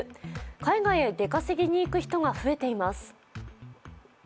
海外へ出稼ぎに行く人が増えています。